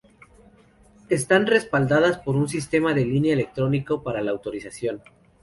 Están respaldadas por un sistema en línea electrónico para la autorización.